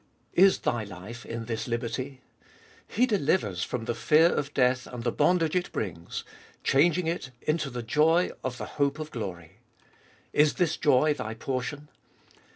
Is thy life in this liberty? He delivers from the fear of death and the bondage it brings, changing it into the joy of the hope of glory. Is this joy thy portion?